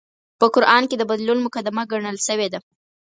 په قران کې د بدلون مقدمه ګڼل شوې ده